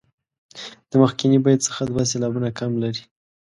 د مخکني بیت څخه دوه سېلابونه کم لري.